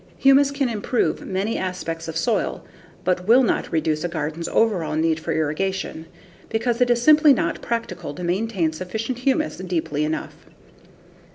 Humus can improve many aspects of soil but will not reduce a garden's overall need for irrigation, because it is simply not practical to maintain sufficient humus deeply enough.